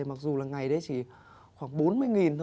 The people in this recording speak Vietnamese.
mặc dù là ngày đấy chỉ khoảng bốn mươi thôi